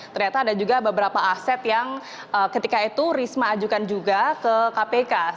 ternyata ada juga beberapa aset yang ketika itu risma ajukan juga ke kpk